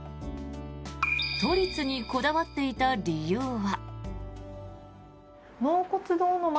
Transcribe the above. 都立にこだわっていた理由は。